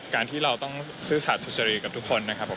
การที่เราต้องซื่อสัตว์สุจรรีกับทุกคนนะครับผม